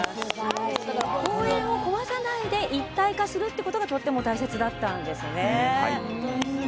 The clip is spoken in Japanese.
公園を壊さないで一体化するっていうことがとっても大切だったんですね。